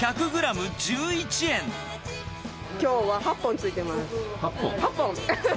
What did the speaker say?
きょうは８本ついてます。